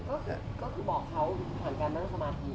ก็คือบอกเขาผ่านการบังคมภาษี